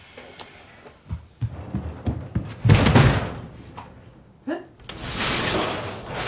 えっ？